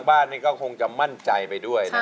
จับมือประคองขอร้องอย่าได้เปลี่ยนไป